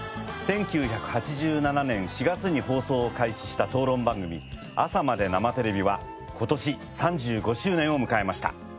１９８７年４月に放送を開始した討論番組『朝まで生テレビ！』は今年３５周年を迎えました。